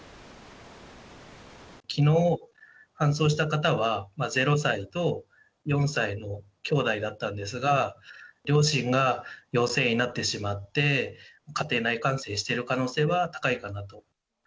きのう搬送した方は、０歳と４歳のきょうだいだったんですが、両親が陽性になってしまって、家庭内感染している可能性は高いかなと。